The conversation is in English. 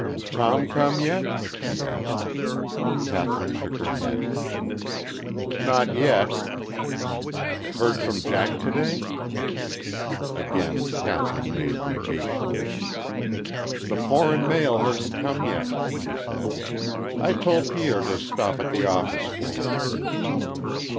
"Tom come yet?" she asked. Kathryn shook her head. "Not yet." "Heard from Jack to day?" Again Kathryn made negation. "The foreign mail hasn't come yet," she said. "I told Pierre to stop at the office for it."